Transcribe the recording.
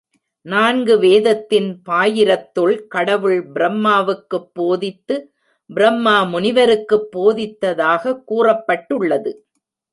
நான்கு வேதத்தின் பாயிரத்துள் கடவுள் பிரம்மாவுக்குப் போதித்து பிரம்மா முனிவருக்குப் போதித்ததாகக் கூறப்பட்டுள்ளது.